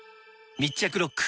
密着ロック！